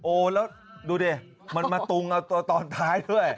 แล้วดูดิมันมาตุงเอาตัวตอนท้ายด้วย